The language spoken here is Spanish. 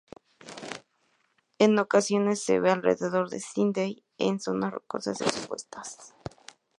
En ocasiones se ve alrededor de Sídney, en zonas rocosas expuestas.